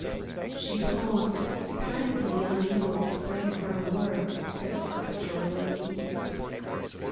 She paused, apparently unable to frame her words satisfactorily.